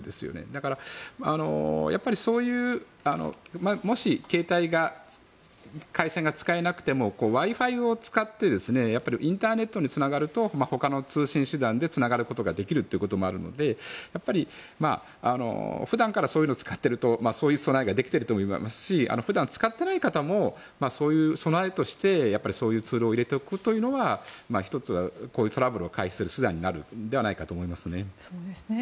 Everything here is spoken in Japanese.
だから、やっぱりそういうもし、携帯が回線が使えなくてもＷｉ−Ｆｉを使ってインターネットにつながるとほかの通信手段でつながることができるということもあるので普段からそういうのを使っているとそういう備えができていると思いますし普段使っていない方もそういう備えとしてそういうツールを入れておくというのは１つ、こういうトラブルを回避する手段になるのではないかと思いますね。